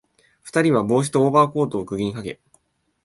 二人は帽子とオーバーコートを釘にかけ、